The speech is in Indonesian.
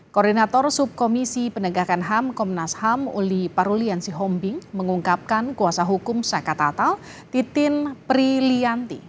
koordinator subkomisi penegakan ham komnas ham uli parulian sihombing mengungkapkan kuasa hukum sakatal titin prilianti